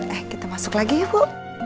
eh kita masuk lagi ya bu